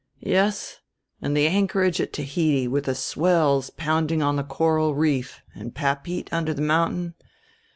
Yes, and the anchorage at Tahiti with the swells pounding on the coral reef and Papeete under the mountain?